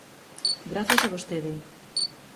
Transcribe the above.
Grazas a vostede.